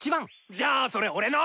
じゃあそれ俺の！